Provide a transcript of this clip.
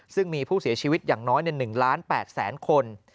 ซึ่งมีผู้เสียชีวิตอย่างน้อย๑ล้าน๘แสนคน